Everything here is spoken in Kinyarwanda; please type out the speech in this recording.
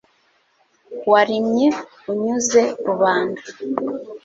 warimye unyuze rubanda